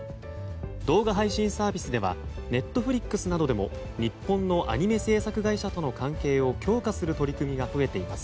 動画配信サービスではＮｅｔｆｌｉｘなどでも日本のアニメ制作会社との関係を強化する取り組みが増えています。